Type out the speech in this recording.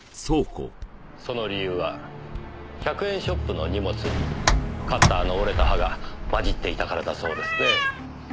その理由は１００円ショップの荷物にカッターの折れた刃が混じっていたからだそうですねえ。